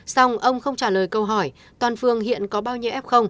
xong ông không trả lời câu hỏi toàn phương hiện có bao nhiêu f